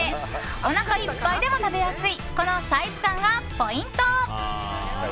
おなかいっぱいでも食べやすいこのサイズ感がポイント。